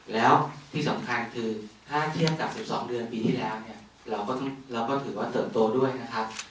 แล้วที่สำคัญคือถ้าเทียบกับ๑๒เดือนปีที่แล้วเนี่ยเราก็ถือว่าเติบโตด้วยนะครับ